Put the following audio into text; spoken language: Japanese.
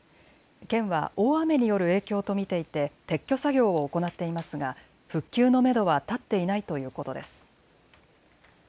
県は大雨による影響と見ていて撤去作業を行っていますが復旧のめどは立っていないということです。